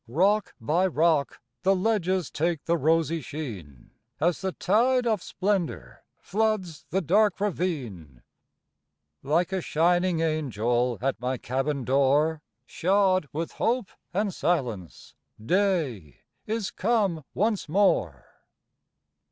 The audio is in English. Rock by rock the ledges Take the rosy sheen, As the tide of splendor Floods the dark ravine. Like a shining angel At my cabin door, Shod with hope and silence, Day is come once more.